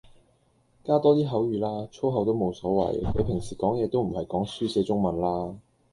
加多啲口語啦，粗口都冇所謂，你平時講嘢都唔係講書寫中文啦